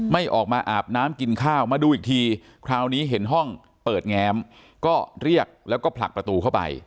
ไม่ออกมาอาบน้ำกินข้าวมาดูอีกทีคราวนี้เห็นห้องเปิดแง้มก็เรียกแล้วก็ผลักประตูเข้าไป